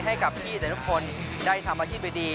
ให้กับพี่แต่ทุกคนได้ทำอาชีพดี